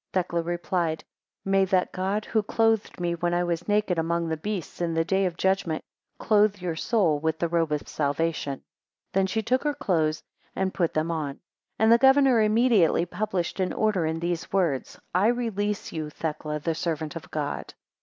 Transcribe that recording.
21 Thecla replied: May that God who clothed me when I was naked among the beasts, in the day of judgment clothe your soul with the robe of salvation. Then she took her clothes, and put them on; and the governor immediately published an order in these words: I release to you Thecla the servant of God.